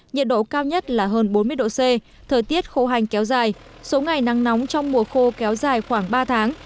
nhiệt độ cao nhất là hơn bốn mươi độ c thời tiết khô hành kéo dài số ngày nắng nóng trong mùa khô kéo dài khoảng ba tháng